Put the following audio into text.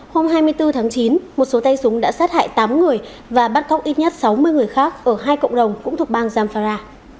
hôm hai mươi bốn tháng chín một số tay súng đã sát hại tám người và bắt cóc ít nhất sáu mươi người khác ở hai cộng đồng cũng thuộc bang jamfara